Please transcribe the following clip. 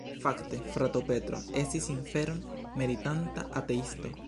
Fakte frato Petro estis inferon meritanta ateisto.